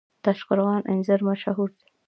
د تاشقرغان انځر مشهور دي